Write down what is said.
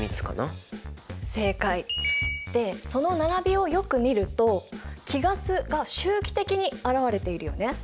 正解！でその並びをよく見ると貴ガスが周期的に現れているよね？